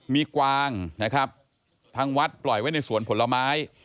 มีกวางนะครับทางวัดปล่อยไว้ในสวนผลไม้